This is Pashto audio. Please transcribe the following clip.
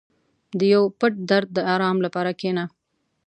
• د یو پټ درد د آرام لپاره کښېنه.